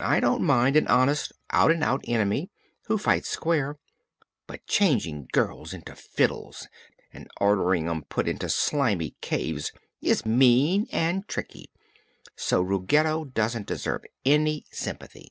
I don't mind an honest, out an' out enemy, who fights square; but changing girls into fiddles and ordering 'em put into Slimy Caves is mean and tricky, and Ruggedo doesn't deserve any sympathy.